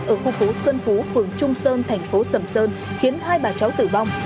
ở khu phố xuân phú phường trung sơn thành phố sầm sơn khiến hai bà cháu tử vong